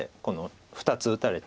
２つ打たれて。